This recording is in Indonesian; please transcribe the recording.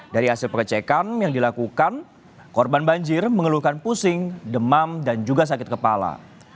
dari hasil pengecekan yang dilakukan korban banjir mengeluhkan pusing demam dan juga sakit kepala